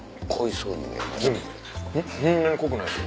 そんなに濃くないですよ。